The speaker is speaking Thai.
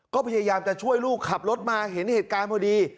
ก็พยายามจะช่วยลูกขับรถมาเห็นเหตุการณ์พอดี